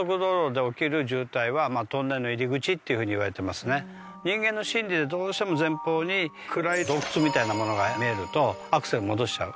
一般的によく人間の心理でどうしても前方に暗い洞窟みたいなものが見えるとアクセル戻しちゃう。